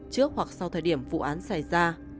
trước hoặc sau thời điểm vụ án xảy ra